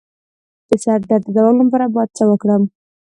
د سر درد د دوام لپاره باید څه وکړم؟